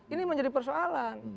ini menjadi persoalan